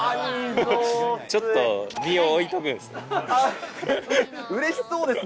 ちょっと身を置いとくんですよ。